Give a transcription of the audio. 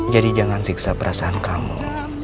jadi jangan siksa perasaan kamu